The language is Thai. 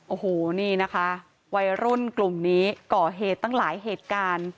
โอ้โหนี่นะคะวัยรุ่นกลุ่มนี้ก่อเหตุตั้งหลายเหตุการณ์